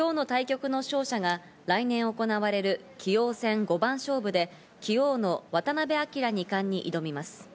今日の対局の勝者が来年行われる棋王戦五番勝負で棋王の渡辺明二冠に挑みます。